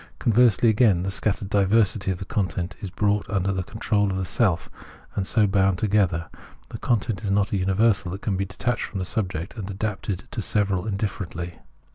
Conversely, again, the scattered diversity of the content is brought under the control of the self, and so bound together ; the content is not a universal that can be detached from the subject, and adapted to several indifferently.